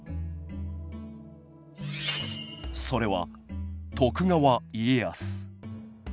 それは徳川家康。